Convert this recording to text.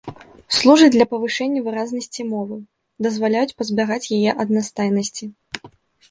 Служаць для павышэння выразнасці мовы, дазваляюць пазбягаць яе аднастайнасці.